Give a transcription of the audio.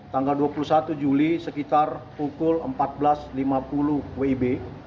tanggal dua puluh satu juli sekitar pukul empat belas lima puluh wib